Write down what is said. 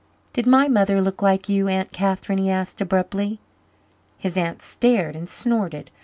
"Did my mother look like you, Aunt Catherine?" he asked abruptly. His aunt stared and snorted.